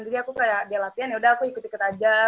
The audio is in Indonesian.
jadi aku kayak dia latihan yaudah aku ikut ikut aja